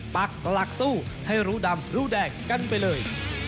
ปักหลักสู้ให้รู้ดำรู้แดงกันไปเลย